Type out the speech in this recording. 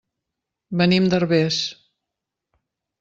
Venim de Herbers.